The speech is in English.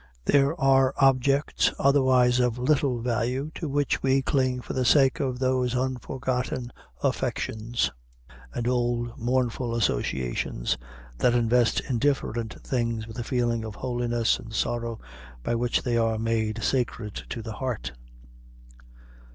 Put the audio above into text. There are objects, otherwise of little value, to which we cling for the sake of those unforgotten affections, and old mournful associations that invest indifferent things with a feeling of holiness and sorrow by which they are made sacred to the heart.